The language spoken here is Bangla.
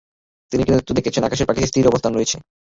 তিনি কিন্তু দেখছেন আকাশের পাখিটি স্থির অবস্থানে রয়েছে।